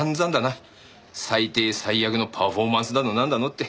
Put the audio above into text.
最低最悪のパフォーマンスだのなんだのって。